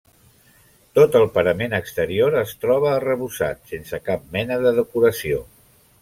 Tot el parament exterior es troba arrebossat, sense cap mena de decoració.